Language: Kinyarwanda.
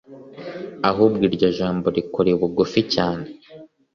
ahubwo iryo jambo rikuri bugufi cyane